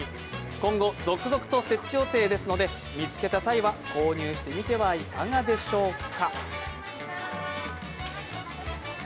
今後続々と設置予定ですので見つけた際は購入してみてはいかがでしょうか。